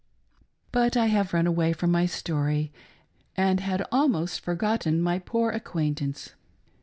But I have run away from my story, and had almost forgotten my poor acquaintance.